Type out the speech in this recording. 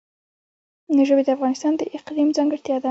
ژبې د افغانستان د اقلیم ځانګړتیا ده.